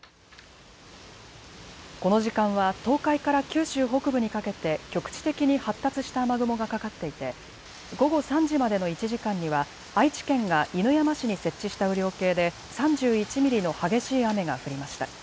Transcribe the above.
この時間は東海から九州北部にかけて局地的に発達した雨雲がかかっていて午後３時までの１時間には愛知県が犬山市に設置した雨量計で３１ミリの激しい雨が降りました。